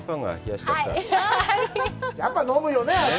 やっぱり飲むよね？